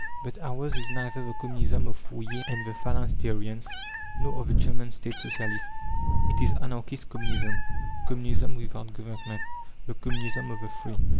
But ours is neither the Communism of Fourier and the Phalansteriens, nor of the German State Socialists. It is Anarchist Communism, Communism without government the Communism of the Free.